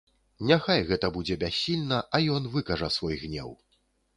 Няхай гэта будзе бяссільна, а ён выкажа свой гнеў.